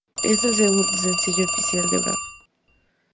Es el segundo sencillo oficial de "Brava!